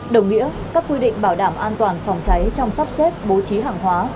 đồng nghĩa các quy định bảo đảm an toàn phòng cháy trong sắp xếp bố trí hàng hóa